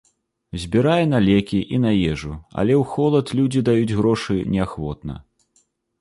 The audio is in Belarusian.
Збірае на лекі і на ежу, але ў холад людзі даюць грошы неахвотна.